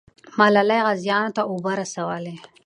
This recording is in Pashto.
ملالۍ غازیانو ته اوبه رسولې.